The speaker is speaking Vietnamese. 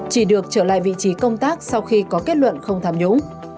chỉ được trở lại vị trí công tác sau khi có kết luận không tham nhũng